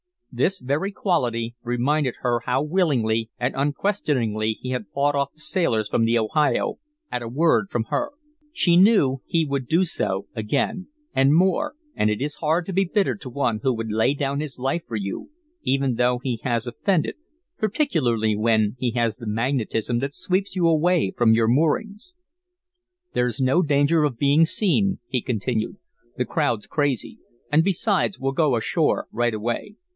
This very quality reminded her how willingly and unquestioningly he had fought off the sailors from the Ohio at a word from her. She knew he would do so again, and more, and it is hard to be bitter to one who would lay down his life for you, even though he has offended particularly when he has the magnetism that sweeps you away from your moorings. "There's no danger of being seen," he continued, "The crowd's crazy, and, besides, we'll go ashore right away.